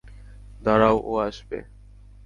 দাঁড়াও, ও আসবে।